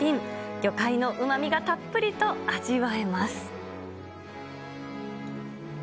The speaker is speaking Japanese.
魚介のうまみがたっぷりと味わえます。